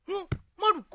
まる子。